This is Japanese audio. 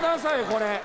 これ。